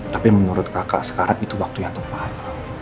tapi menurut kakak sekarang itu waktu yang tepat